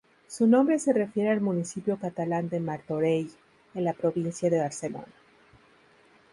Su nombre se refiere al municipio catalán de Martorell, en la provincia de Barcelona.